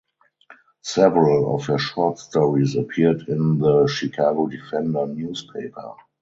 Several of her short stories appeared in the "Chicago Defender" newspaper.